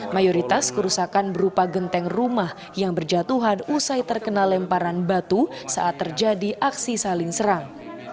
mayoritas kerusakan berupa genteng rumah yang berjatuhan usai terkena lemparan batu saat terjadi aksi saling serang